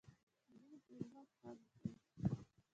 پنېر د ژوند خوند دی.